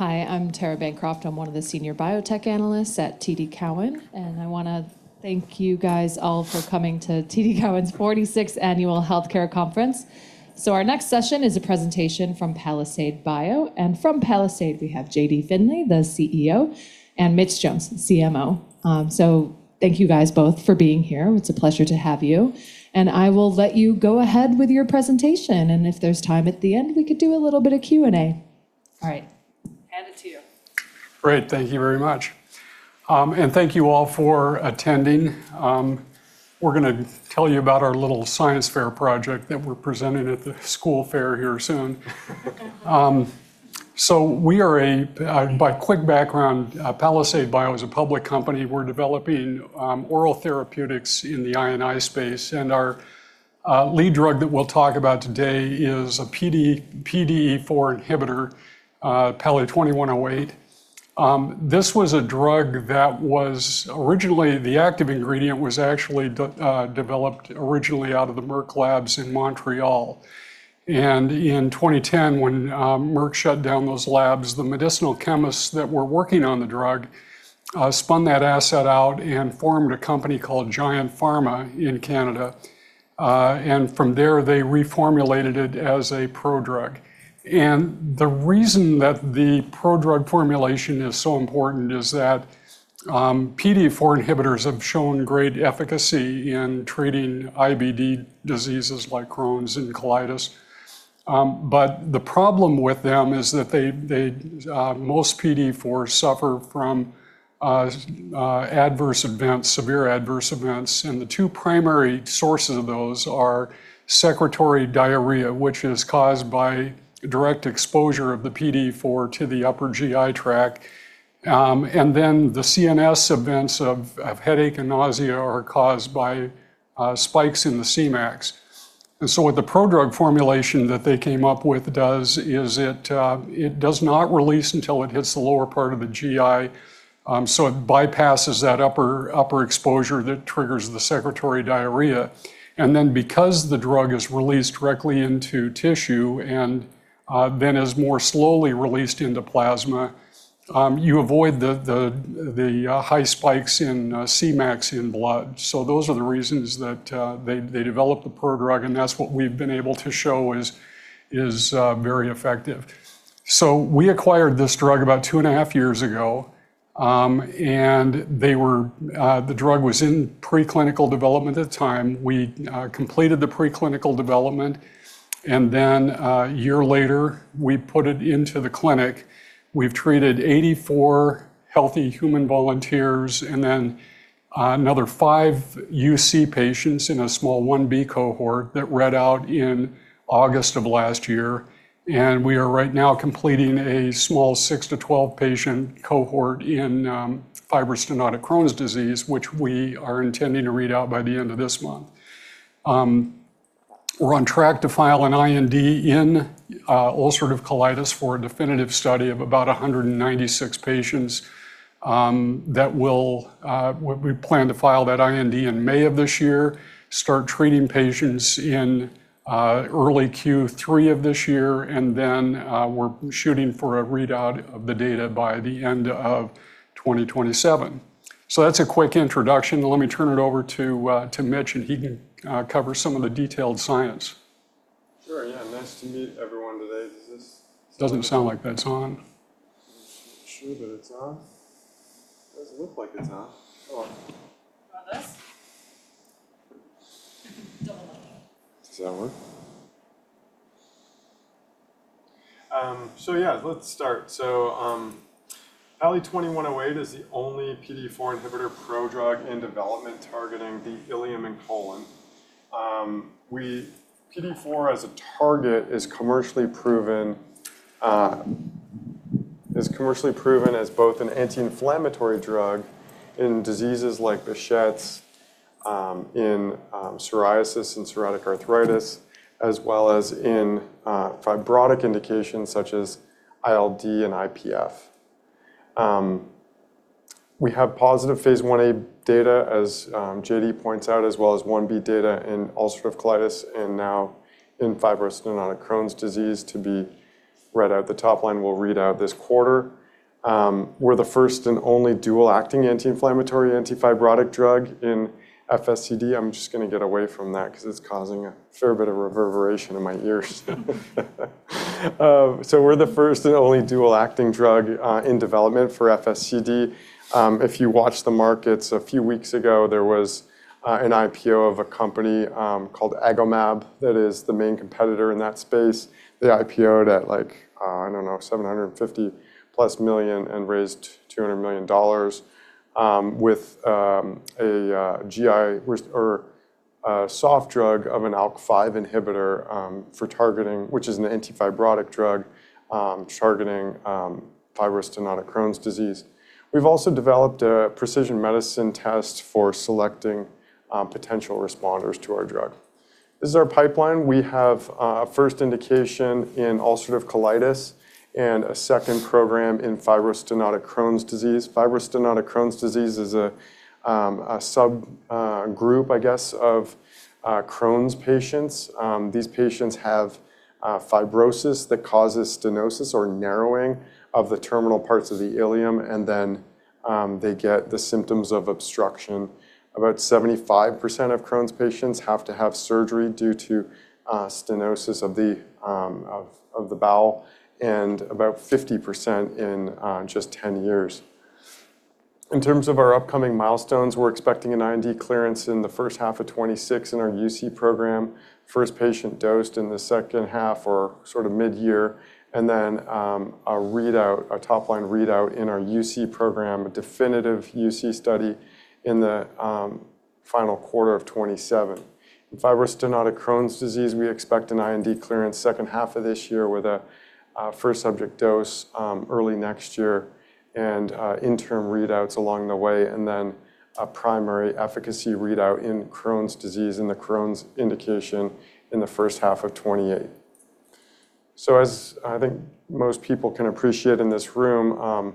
Hi, I'm Tara Bancroft. I'm one of the Senior Biotech Analysts at TD Cowen. I wanna thank you guys all for coming to TD Cowen's 46th Annual Healthcare Conference. Our next session is a presentation from Palisade Bio. From Palisade we have J.D. Finley, the CEO, and Mitch Jones, the CMO. Thank you guys both for being here. It's a pleasure to have you. I will let you go ahead with your presentation, and if there's time at the end, we could do a little bit of Q&A. All right. Hand it to you. Great. Thank you very much. Thank you all for attending. We're gonna tell you about our little science fair project that we're presenting at the school fair here soon. So we are a by quick background, Palisade Bio is a public company. We're developing oral therapeutics in the I&I space, and our lead drug that we'll talk about today is a PDE4 inhibitor, PALI-2108. This was a drug that was. Originally, the active ingredient was actually developed originally out of the Merck labs in Montreal. In 2010 when Merck shut down those labs, the medicinal chemists that were working on the drug spun that asset out and formed a company called Giiant Pharma in Canada. From there, they reformulated it as a prodrug. The reason that the prodrug formulation is so important is that PDE4 inhibitors have shown great efficacy in treating IBD diseases like Crohn's and colitis. The problem with them is that they most PDE4 suffer from adverse events, severe adverse events, and the two primary sources of those are secretory diarrhea, which is caused by direct exposure of the PDE4 to the upper GI tract, and then the CNS events of headache and nausea are caused by spikes in the Cmax. What the prodrug formulation that they came up with does is it does not release until it hits the lower part of the GI, so it bypasses that upper exposure that triggers the secretory diarrhea. Because the drug is released directly into tissue and then is more slowly released into plasma, you avoid the high spikes in Cmax in blood. Those are the reasons that they developed the prodrug, and that's what we've been able to show is very effective. We acquired this drug about two and a half years ago, the drug was in preclinical development at the time. We completed the preclinical development, and then a year later, we put it into the clinic. We've treated 84 healthy human volunteers and then another five UC patients in a small I-B cohort that read out in August of last year. We are right now completing a small 6-12 patient cohort in fibrostenotic Crohn's disease, which we are intending to read out by the end of this month. We're on track to file an IND in ulcerative colitis for a definitive study of about 196 patients that we plan to file that IND in May of this year, start treating patients in early Q3 of this year, and then we're shooting for a readout of the data by the end of 2027. That's a quick introduction. Let me turn it over to Mitch, and he can cover some of the detailed science. Sure, yeah. Nice to meet everyone today. Doesn't sound like that's on. Not sure that it's on. Doesn't look like it's on. Oh. Try this. Double up. Does that work? Yeah. Let's start. PALI-2108 is the only PDE4 inhibitor prodrug in development targeting the ileum and colon. PDE4 as a target is commercially proven as both an anti-inflammatory drug in diseases like Behçet's, in psoriasis and psoriatic arthritis, as well as in fibrotic indications such as ILD and IPF. We have positive phase I-A data, as J.D. points out, as well as phase I-B data in ulcerative colitis and now in fibrostenotic Crohn's disease to be read out. The top line will read out this quarter. We're the first and only dual-acting anti-inflammatory, anti-fibrotic drug in FSCD. I'm just gonna get away from that 'cause it's causing a fair bit of reverberation in my ears. We're the first and only dual-acting drug in development for FSCD. If you watch the markets, a few weeks ago, there was an IPO of a company called Agomab that is the main competitor in that space. They IPO'd at like, I don't know, $750+ million and raised $200 million with a GI or a soft drug of an ALK5 inhibitor for targeting, which is an anti-fibrotic drug, targeting fibrostenotic Crohn's disease. We've also developed a precision medicine test for selecting potential responders to our drug. This is our pipeline. We have a first indication in ulcerative colitis and a second program in fibrostenotic Crohn's disease. Fibrostenotic Crohn's disease is a sub group, I guess, of Crohn's patients. These patients have fibrosis that causes stenosis or narrowing of the terminal parts of the ileum. They get the symptoms of obstruction. About 75% of Crohn's patients have to have surgery due to stenosis of the bowel, and about 50% in just 10 years. In terms of our upcoming milestones, we're expecting an IND clearance in the first half of 2026 in our UC program. First patient dosed in the second half or sort of mid-year. A readout, a top-line readout in our UC program, a definitive UC study in the final quarter of 2027. In fibrostenotic Crohn's disease, we expect an IND clearance second half of this year with a first subject dose early next year and interim readouts along the way. A primary efficacy readout in Crohn's disease in the Crohn's indication in the first half of 2028. As I think most people can appreciate in this room,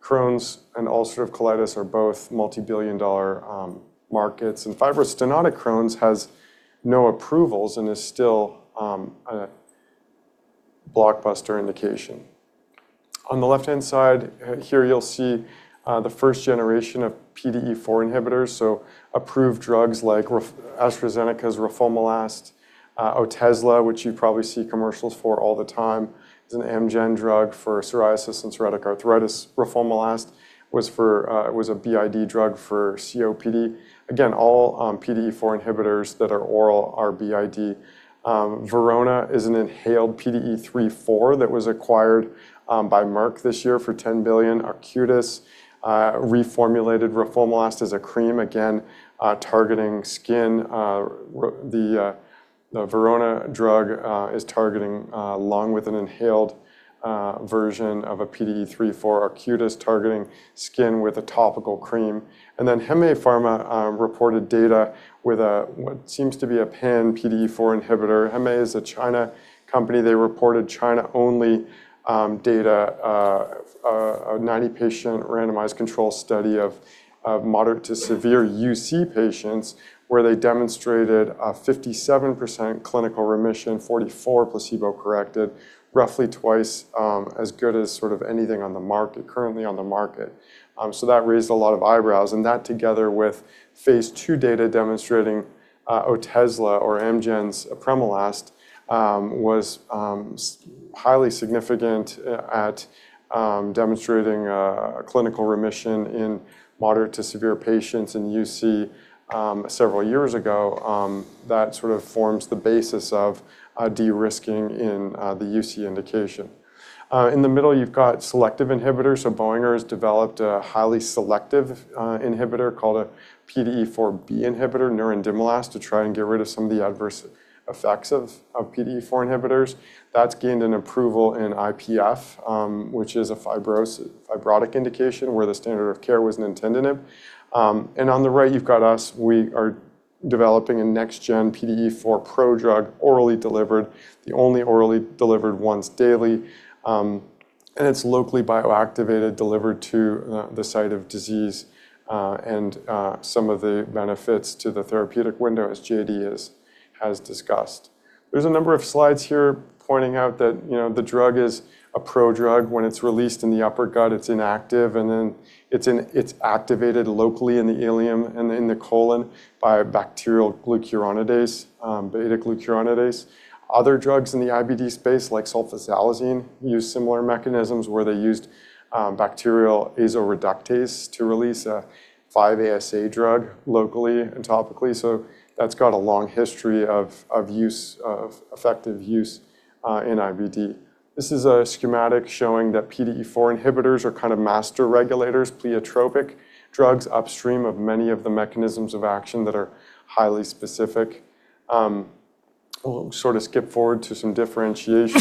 Crohn's and ulcerative colitis are both multi-billion dollar markets. Fibrostenotic Crohn's has no approvals and is still a blockbuster indication. On the left-hand side, here you'll see the first generation of PDE4 inhibitors, so approved drugs like AstraZeneca's roflumilast, Otezla, which you probably see commercials for all the time. It's an Amgen drug for psoriasis and psoriatic arthritis. Roflumilast was for, was a BID drug for COPD. Again, all PDE4 inhibitors that are oral are BID. Verona is an inhaled PDE3/4 that was acquired by Merck this year for $10 billion. Arcutis reformulated roflumilast as a cream, again, targeting skin. The Verona drug is targeting lung with an inhaled version of a PDE3/4. Arcutis targeting skin with a topical cream. Hemay Pharma reported data with a, what seems to be a pan PDE4 inhibitor. Hemay is a China company. They reported China-only data, a 90-patient randomized control study of moderate to severe UC patients where they demonstrated a 57% clinical remission, 44% placebo corrected, roughly twice as good as sort of anything on the market, currently on the market. So that raised a lot of eyebrows. That together with phase II data demonstrating Otezla or Amgen's apremilast was highly significant at demonstrating a clinical remission in moderate to severe patients in UC several years ago. That sort of forms the basis of de-risking in the UC indication. In the middle, you've got selective inhibitors. Boehringer has developed a highly selective inhibitor called a PDE4B inhibitor, nerandomilast, to try and get rid of some of the adverse effects of PDE4 inhibitors. That's gained an approval in IPF, which is a fibrotic indication where the standard of care was nintedanib. On the right, you've got us. We are developing a next-gen PDE4 prodrug orally delivered, the only orally delivered once daily. It's locally bioactivated, delivered to the site of disease. Some of the benefits to the therapeutic window, as J.D. has discussed. There's a number of slides here pointing out that, you know, the drug is a prodrug. When it's released in the upper gut, it's inactive, then it's activated locally in the ileum and in the colon by a bacterial glucuronidase, beta-glucuronidase. Other drugs in the IBD space, like sulfasalazine, use similar mechanisms where they used bacterial azo reductase to release a 5-ASA drug locally and topically. That's got a long history of use, of effective use in IBD. This is a schematic showing that PDE4 inhibitors are kind of master regulators, pleiotropic drugs upstream of many of the mechanisms of action that are highly specific. We'll sort of skip forward to some differentiation.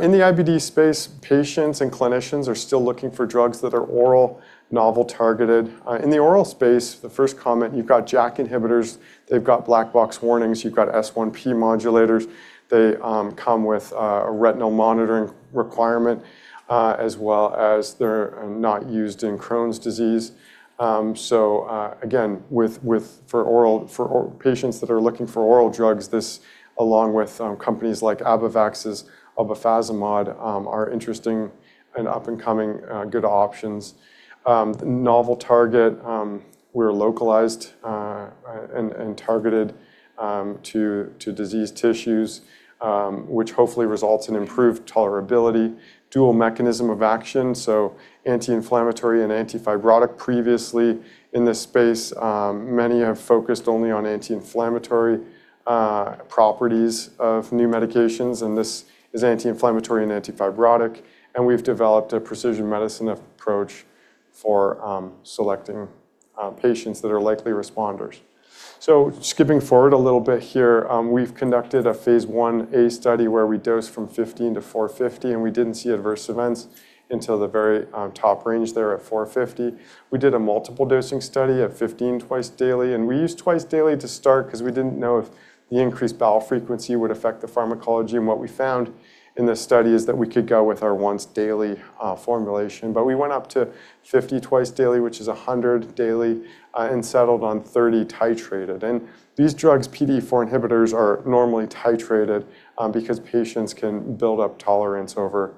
In the IBD space, patients and clinicians are still looking for drugs that are oral, novel targeted. In the oral space, the first comment, you've got JAK inhibitors. They've got black box warnings. You've got S1P modulators. They come with a retinal monitoring requirement as well as they're not used in Crohn's disease. So again, for oral patients that are looking for oral drugs, this along with companies like Abivax's obefazimod are interesting and up and coming good options. Novel target, we're localized and targeted to disease tissues, which hopefully results in improved tolerability. Dual mechanism of action, so anti-inflammatory and anti-fibrotic. Previously in this space, many have focused only on anti-inflammatory properties of new medications, and this is anti-inflammatory and anti-fibrotic. We've developed a precision medicine approach for selecting patients that are likely responders. Skipping forward a little bit here, we've conducted a phase I-A study where we dosed from 15 to 450, and we didn't see adverse events until the very top range there at 450. We did a multiple dosing study at 15 twice daily, and we used twice daily to start 'cause we didn't know if the increased bowel frequency would affect the pharmacology. What we found in this study is that we could go with our once daily formulation, but we went up to 50 twice daily, which is 100 daily, and settled on 30 titrated. These drugs, PDE4 inhibitors, are normally titrated because patients can build up tolerance over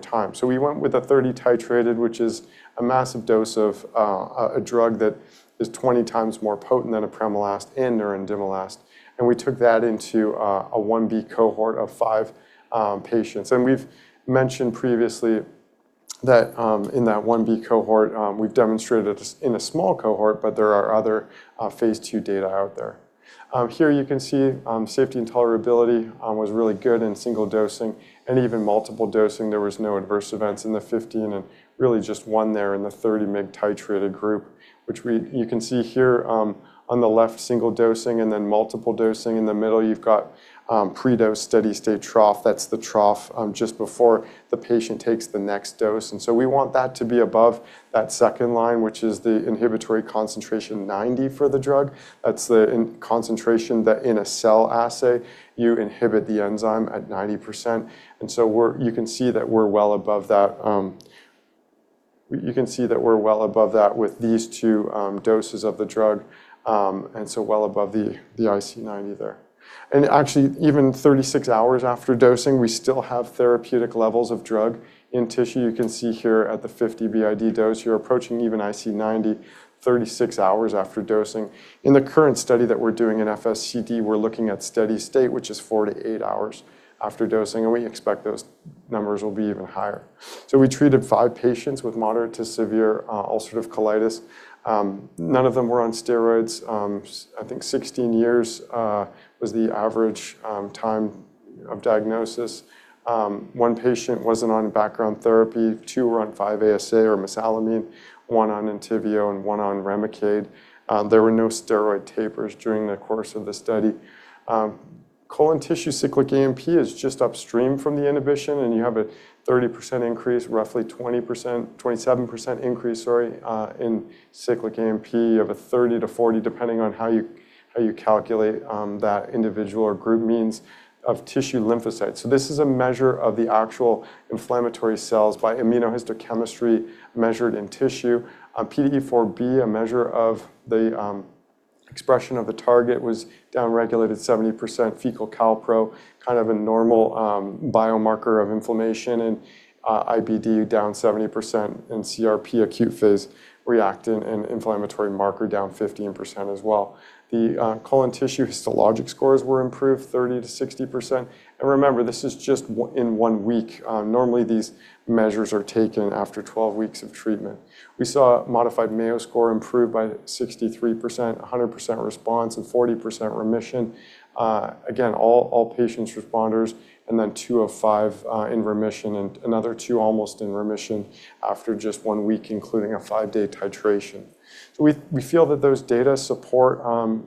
time. We went with a 30 titrated, which is a massive dose of a drug that is 20 times more potent than apremilast and or indimilast. We took that into a phase I-B cohort of five patients. We've mentioned previously that in that phase I-B cohort, we've demonstrated this in a small cohort, but there are other phase II data out there. Here you can see, safety and tolerability was really good in single dosing and even multiple dosing. There was no adverse events in the 15 and really just one there in the 30 mg titrated group, which you can see here on the left, single dosing and then multiple dosing. In the middle, you've got pre-dose steady-state trough. That's the trough just before the patient takes the next dose. We want that to be above that second line, which is the inhibitory concentration 90 for the drug. That's the concentration that in a cell assay you inhibit the enzyme at 90%. you can see that we're well above that. you can see that we're well above that with these two doses of the drug, well above the IC90 there. Actually, even 36 hours after dosing, we still have therapeutic levels of drug in tissue. You can see here at the 50 BID dose, you're approaching even IC90 36 hours after dosing. In the current study that we're doing in FSCD, we're looking at steady state, which is four to eight hours after dosing, and we expect those numbers will be even higher. We treated five patients with moderate to severe ulcerative colitis. None of them were on steroids. I think 16 years was the average time of diagnosis. One patient wasn't on background therapy, two were on 5-ASA or mesalamine, one on Entyvio and one on Remicade. There were no steroid tapers during the course of the study. Colon tissue cyclic AMP is just upstream from the inhibition, and you have a 30% increase, roughly 27% increase, sorry, in cyclic AMP of a 30-40, depending on how you, how you calculate, that individual or group means of tissue lymphocytes. This is a measure of the actual inflammatory cells by immunohistochemistry measured in tissue. PDE4B, a measure of the expression of the target, was down-regulated 70%. Fecal calpro, kind of a normal biomarker of inflammation in IBD, down 70%. CRP, acute phase reactant and inflammatory marker, down 15% as well. The colon tissue histologic scores were improved 30%-60%. Remember, this is just in one week. Normally these measures are taken after 12 weeks of treatment. We saw modified Mayo score improve by 63%, 100% response and 40% remission. Again, all patients responders and then two of five in remission and another two almost in remission after just one week, including a five-day titration. We feel that those data support,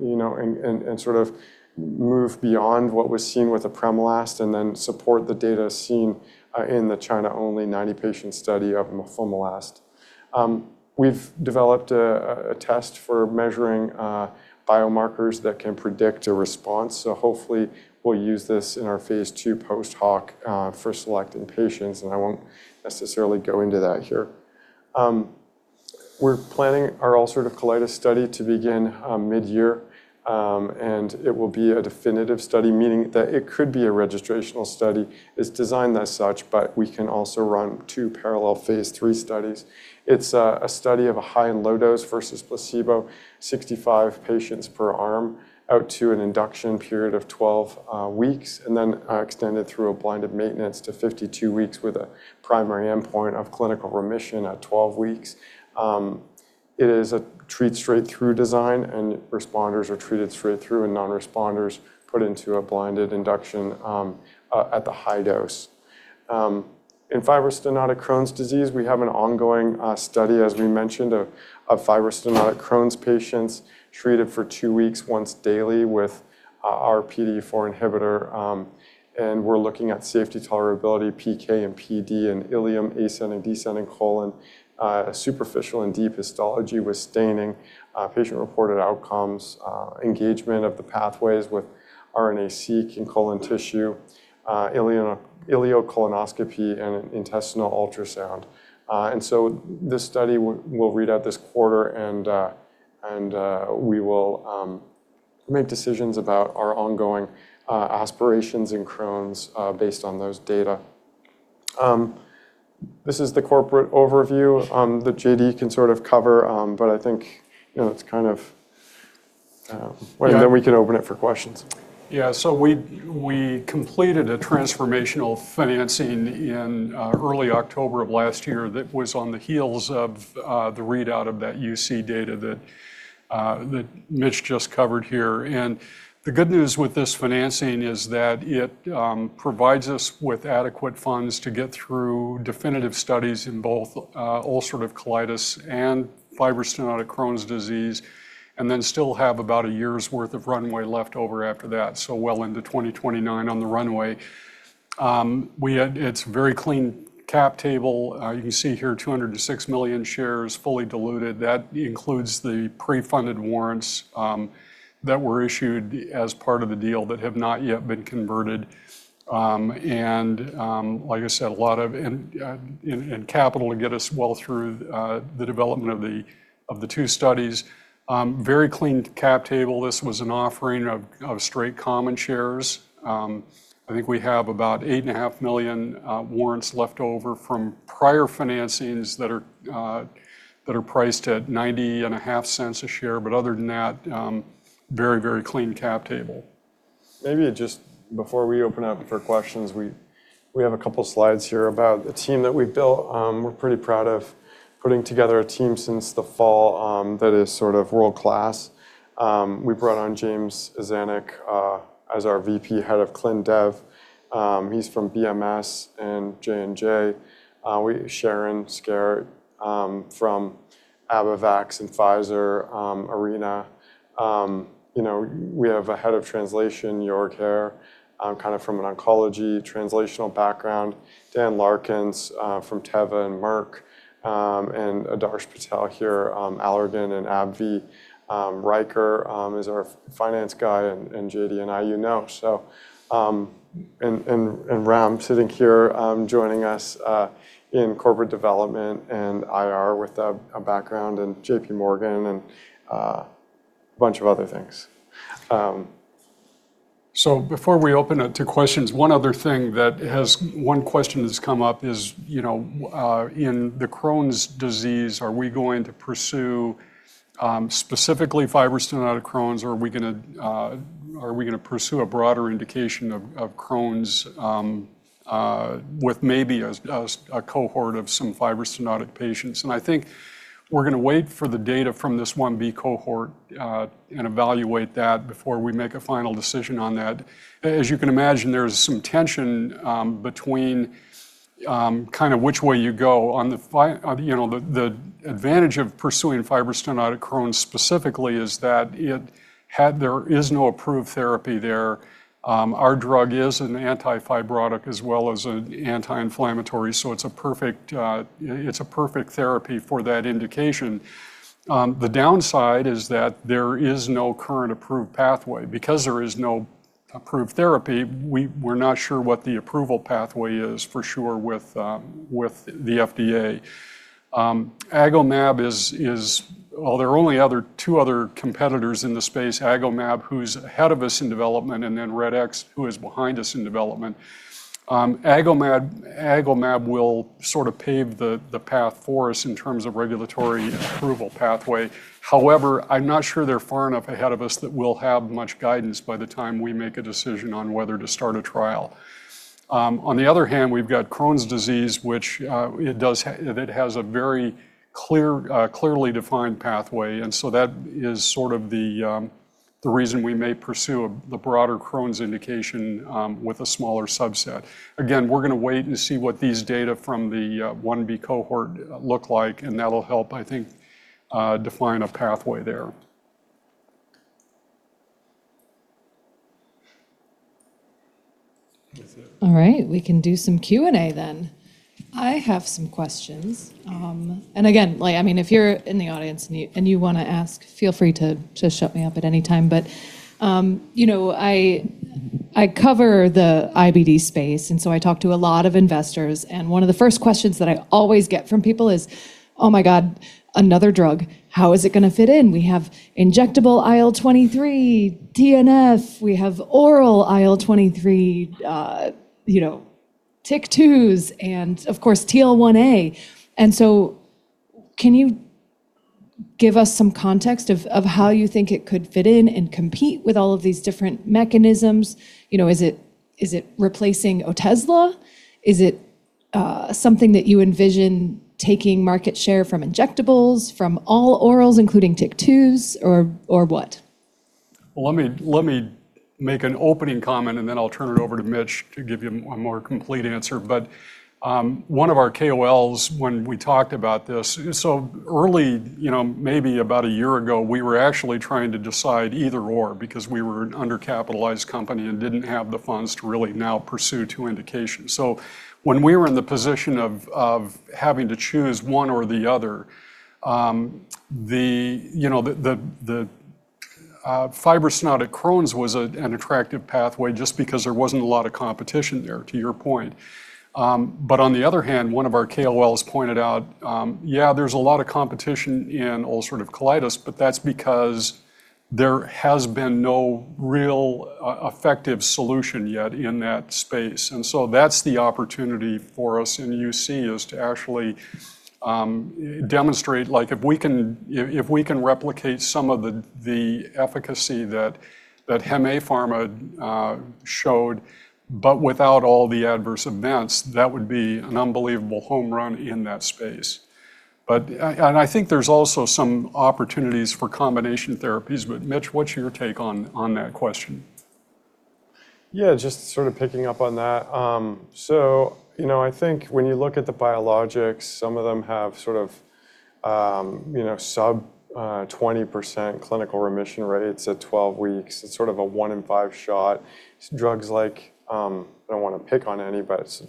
you know, and sort of move beyond what was seen with apremilast and support the data seen in the China-only 90-patient study of mafimilast. We've developed a test for measuring biomarkers that can predict a response. Hopefully we'll use this in our phase II post-hoc for selecting patients, and I won't necessarily go into that here. We're planning our ulcerative colitis study to begin mid-year. It will be a definitive study, meaning that it could be a registrational study. It's designed as such, but we can also run two parallel phase three studies. It's a study of a high and low dose versus placebo, 65 patients per arm out to an induction period of 12 weeks, and then extended through a blind of maintenance to 52 weeks with a primary endpoint of clinical remission at 12 weeks. It is a treat straight through design, and responders are treated straight through and non-responders put into a blinded induction at the high dose. In fibrosenotic Crohn's disease, we have an ongoing study, as we mentioned, of fibrosenotic Crohn's patients treated for two weeks once daily with our PDE4 inhibitor. We're looking at safety tolerability, PK and PD in ileum, ascending, descending colon, superficial and deep histology with staining, patient-reported outcomes, engagement of the pathways with RNA-seq in colon tissue, ileocolonoscopy and an intestinal ultrasound. This study we'll read out this quarter and we will make decisions about our ongoing aspirations in Crohn's based on those data. This is the corporate overview that J.D. can sort of cover. I think, you know, it's kind of. Yeah. We can open it for questions. Yeah. We completed a transformational financing in early October of last year that was on the heels of the readout of that UC data that Mitch just covered here. The good news with this financing is that it provides us with adequate funds to get through definitive studies in both ulcerative colitis and fibrosenotic Crohn's disease, and then still have about a year's worth of runway left over after that, so well into 2029 on the runway. It's very clean cap table. You can see here 206 million shares fully diluted. That includes the pre-funded warrants that were issued as part of the deal that have not yet been converted. Like I said, a lot of in capital to get us well through the development of the two studies. Very clean cap table. This was an offering of straight common shares. I think we have about 8.5 million warrants left over from prior financings that are priced at $0.905 a share. Other than that, very clean cap table. Maybe just before we open up for questions, we have a couple slides here about the team that we've built. We're pretty proud of putting together a team since the fall that is sort of world-class. We brought on James Izanec as our VP Head of Clin Dev. He's from BMS and J&J. Sharon Skare from AbbVie and Pfizer, Arena. you know, we have a Head of Translation, Joerg Heyer, kind of from an oncology translational background. Dan Larkins from Teva and Merck. Adarsh Patel here, Allergan and AbbVie. Ryker is our finance guy, J.D. and I you know. Ram sitting here, joining us in corporate development and IR with a background in JPMorgan and a bunch of other things. Before we open it to questions, one other thing that has one question that's come up is, you know, in the Crohn's disease, are we going to pursue specifically fibrosing Crohn's or are we gonna pursue a broader indication of Crohn's with maybe a cohort of some fibrosing patients? I think we're gonna wait for the data from this 1B cohort and evaluate that before we make a final decision on that. As you can imagine, there's some tension between kinda which way you go. On, you know, the advantage of pursuing fibrosing Crohn's specifically is that it there is no approved therapy there. Our drug is an anti-fibrotic as well as an anti-inflammatory, so it's a perfect therapy for that indication. The downside is that there is no current approved pathway. There is no approved therapy, we're not sure what the approval pathway is for sure with the FDA. Well, there are only two other competitors in the space, Agomab, who's ahead of us in development, and then Redx, who is behind us in development. Agomab will sort of pave the path for us in terms of regulatory approval pathway. I'm not sure they're far enough ahead of us that we'll have much guidance by the time we make a decision on whether to start a trial. On the other hand, we've got Crohn's disease, which, it has a very clear, clearly defined pathway. That is sort of the reason we may pursue the broader Crohn's indication with a smaller subset. Again, we're gonna wait and see what these data from the 1B cohort look like. That'll help, I think, define a pathway there. That's it. All right, we can do some Q&A. I have some questions. Again, like, I mean, if you're in the audience and you wanna ask, feel free to shut me up at any time. You know, I cover the IBD space, I talk to a lot of investors, and one of the first questions that I always get from people is, "Oh my god, another drug. How is it gonna fit in? We have injectable IL-23, TNF. We have oral IL-23, you know, TYK2s and, of course, TL1A." Can you give us some context of how you think it could fit in and compete with all of these different mechanisms? You know, is it replacing Otezla? Is it something that you envision taking market share from injectables, from all orals, including TYK2s or what? Let me make an opening comment, and then I'll turn it over to Mitch to give you a more complete answer. One of our KOLs when we talked about this. Early, you know, maybe about a year ago, we were actually trying to decide either/or because we were an undercapitalized company and didn't have the funds to really now pursue two indications. When we were in the position of having to choose one or the other, the fibrosing Crohn's was an attractive pathway just because there wasn't a lot of competition there, to your point. On the other hand, one of our KOLs pointed out, yeah, there's a lot of competition in Ulcerative Colitis, but that's because there has been no real effective solution yet in that space. That's the opportunity for us in UC, is to actually demonstrate, like if we can replicate some of the efficacy that Hemay Pharma showed, without all the adverse events, that would be an unbelievable home run in that space. I think there's also some opportunities for combination therapies. Mitch, what's your take on that question? Yeah, just sort of picking up on that. You know, I think when you look at the biologics, some of them have sort of, you know, sub 20% clinical remission rates at 12 weeks. It's sort of a one-in-five shot. Drugs like, I don't wanna pick on any, but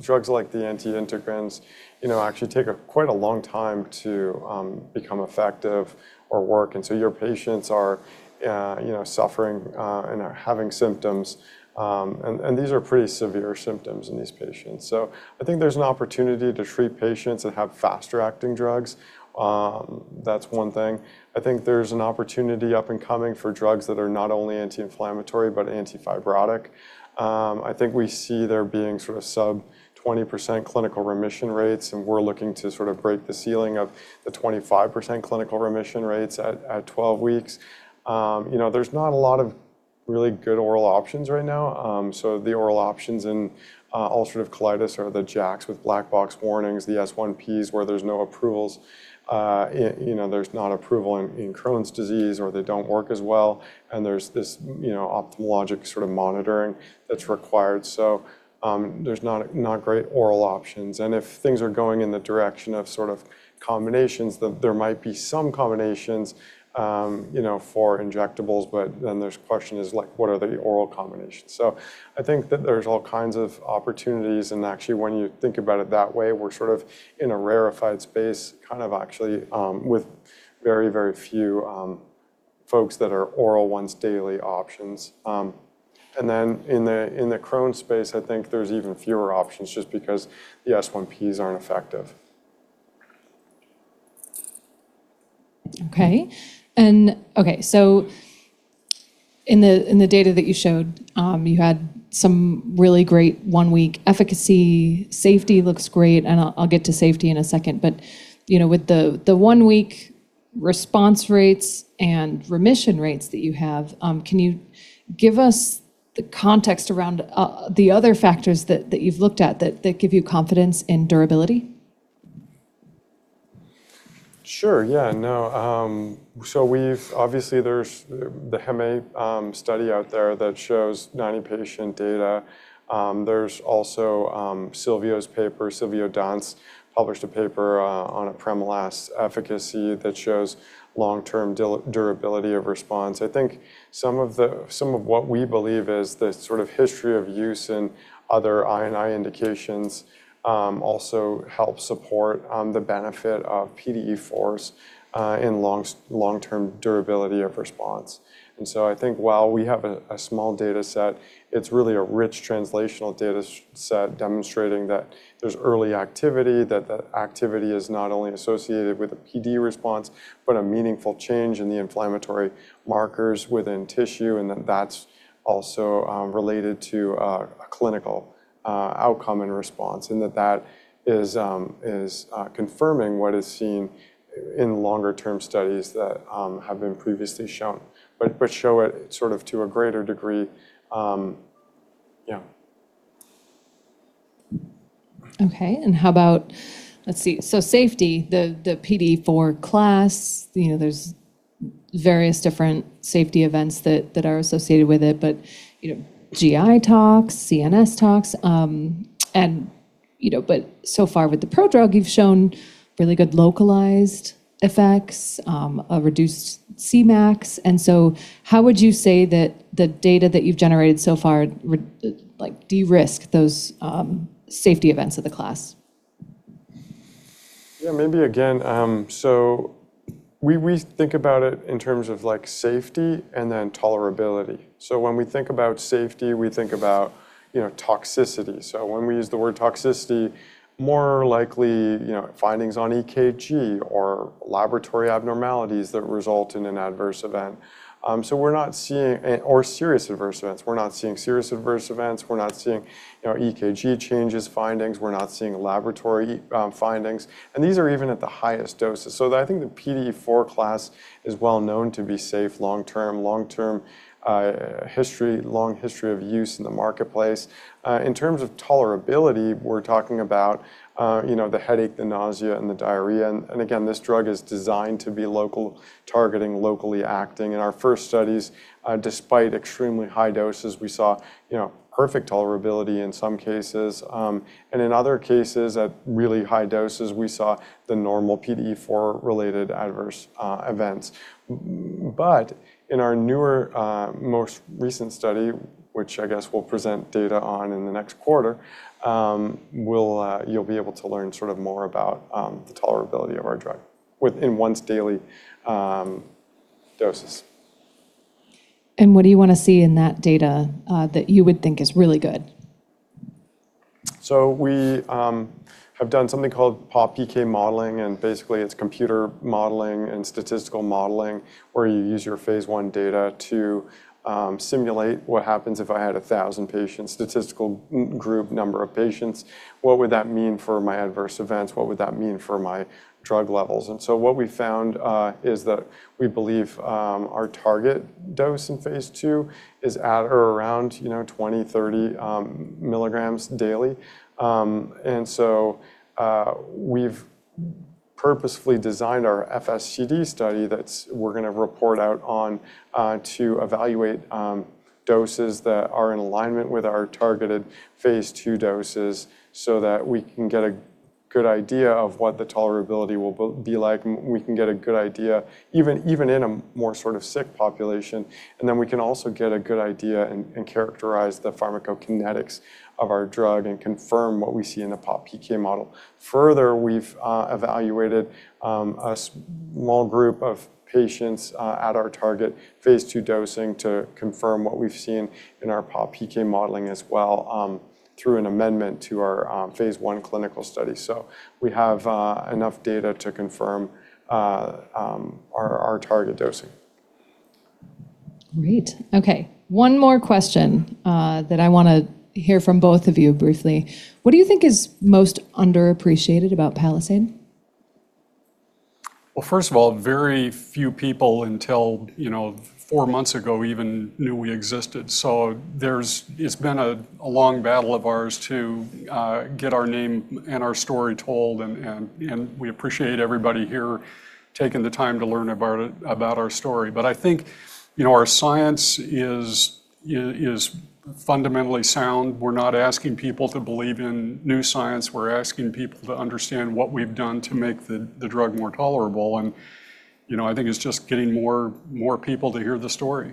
drugs like the anti-integrins, you know, actually take a quite a long time to become effective or work. Your patients are, you know, suffering and are having symptoms. These are pretty severe symptoms in these patients. I think there's an opportunity to treat patients that have faster acting drugs. That's one thing. I think there's an opportunity up and coming for drugs that are not only anti-inflammatory, but anti-fibrotic. I think we see there being sort of sub 20% clinical remission rates, We're looking to sort of break the ceiling of the 25% clinical remission rates at 12 weeks. You know, there's not a lot of really good oral options right now. The oral options in ulcerative colitis are the JAKs with black box warnings, the S1Ps where there's no approvals. You know, there's not approval in Crohn's disease or they don't work as well and there's this, you know, ophthalmologic sort of monitoring that's required. There's not great oral options. If things are going in the direction of sort of combinations, there might be some combinations, you know, for injectables, there's question is like what are the oral combinations? I think that there's all kinds of opportunities, and actually when you think about it that way, we're sort of in a rarefied space kind of actually, with very, very few, folks that are oral once daily options. In the Crohn's space I think there's even fewer options just because the S1Ps aren't effective. Okay. In the data that you showed, you had some really great one-week efficacy. Safety looks great, and I'll get to safety in a second. You know, with the one-week response rates and remission rates that you have, can you give us the context around the other factors that you've looked at that give you confidence in durability? Sure, yeah. No. Obviously there's the Hemay study out there that shows 90 patient data. There's also Silvio's paper. Silvio Danese published a paper on apremilast efficacy that shows long-term durability of response. I think some of the, some of what we believe is the sort of history of use in other I&I indications also help support the benefit of PDE4s in long-term durability of response. I think while we have a small data set, it's really a rich translational data set demonstrating that there's early activity, that activity is not only associated with a PD response, but a meaningful change in the inflammatory markers within tissue, and that's also related to a clinical outcome and response, and that is confirming what is seen in longer term studies that have been previously shown. show it sort of to a greater degree, yeah. Okay. How about... Let's see. Safety, the PDE4 class, you know, there's various different safety events that are associated with it, but, you know, GI tox, CNS tox. You know, so far with the prodrug you've shown really good localized effects, a reduced Cmax. How would you say that the data that you've generated so far would, like, de-risk those safety events of the class? Yeah, maybe again, we think about it in terms of like safety and then tolerability. When we think about safety, we think about, you know, toxicity. When we use the word toxicity, more likely, you know, findings on EKG or laboratory abnormalities that result in an adverse event. We're not seeing serious adverse events. We're not seeing, you know, EKG changes findings. We're not seeing laboratory findings, and these are even at the highest doses. I think the PDE4 class is well known to be safe long-term history, long history of use in the marketplace. In terms of tolerability, we're talking about, you know, the headache, the nausea and the diarrhea and again, this drug is designed to be local, targeting locally acting. In our first studies, despite extremely high doses, we saw, you know, perfect tolerability in some cases. In other cases at really high doses, we saw the normal PDE4 related adverse events. In our newer, most recent study, which I guess we'll present data on in the next quarter, we'll, you'll be able to learn sort of more about, the tolerability of our drug with in once daily, doses. What do you want to see in that data that you would think is really good? We have done something called PopPK modeling, and basically it's computer modeling and statistical modeling where you use your phase I data to simulate what happens if I had 1,000 patients, statistical number of patients, what would that mean for my adverse events? What would that mean for my drug levels? What we found is that we believe our target dose in phase II is at or around, you know, 20-30 milligrams daily. We've purposefully designed our FSCD study that's we're gonna report out on to evaluate doses that are in alignment with our targeted phase II doses so that we can get a good idea of what the tolerability will be like, and we can get a good idea even in a more sort of sick population. Then we can also get a good idea and characterize the pharmacokinetics of our drug and confirm what we see in the PopPK model. We've evaluated a small group of patients at our target phase II dosing to confirm what we've seen in our PopPK modeling as well, through an amendment to our phase I clinical study. We have enough data to confirm our target dosing. Great. Okay. One more question that I wanna hear from both of you briefly. What do you think is most underappreciated about Palisade? First of all, very few people until, you know, four months ago even knew we existed, so there's it's been a long battle of ours to get our name and our story told and we appreciate everybody here taking the time to learn about it, about our story. I think, you know, our science is fundamentally sound. We're not asking people to believe in new science. We're asking people to understand what we've done to make the drug more tolerable and, you know, I think it's just getting more people to hear the story.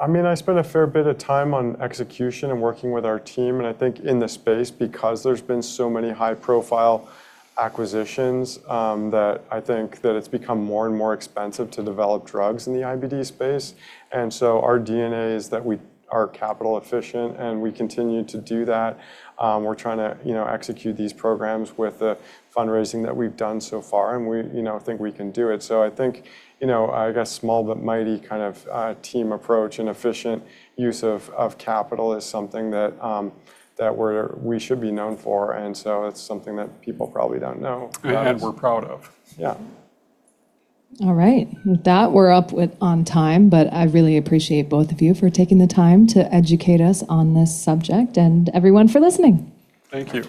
I mean, I spend a fair bit of time on execution and working with our team, and I think in this space because there's been so many high profile acquisitions, that I think that it's become more and more expensive to develop drugs in the IBD space. Our DNA is that we are capital efficient, and we continue to do that. We're trying to, you know, execute these programs with the fundraising that we've done so far, and we, you know, think we can do it. I think, you know, I guess small but mighty kind of team approach and efficient use of capital is something that we should be known for. It's something that people probably don't know. We're proud of. Yeah. All right. With that, we're up with on time, I really appreciate both of you for taking the time to educate us on this subject and everyone for listening. Thank you.